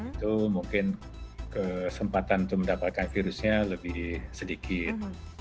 itu mungkin kesempatan untuk mendapatkan virusnya lebih sedikit